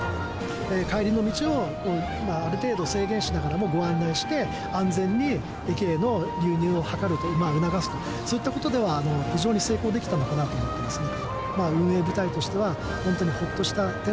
帰りの道をある程度制限しながらもご案内して、安全に駅への流入を図ると、促すと、そういったことでは、非常に成功できたのかなと思ってますね。